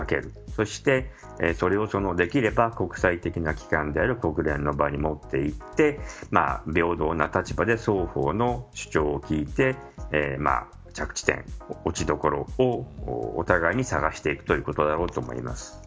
そして、それをできれば国際的な機関である国連の場に持っていって平等な立場で双方の主張を聞いて着地点、落としどころをお互いに探していくことだろうと思います。